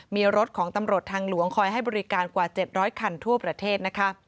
มีรถของตำรวจทางหลวงคอยให้บริการกว่า๗๐๐คันทั่วประเทศนะคะ